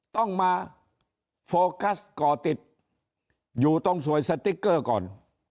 ต้องมาโฟกัสก่อติดอยู่ตรงสวยสติ๊กเกอร์ก่อน